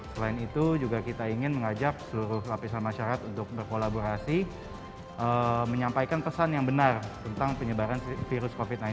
selain itu juga kita ingin mengajak seluruh lapisan masyarakat untuk berkolaborasi menyampaikan pesan yang benar tentang penyebaran virus covid sembilan belas